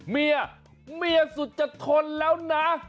เมียเมียสุดจะทนแล้วนะ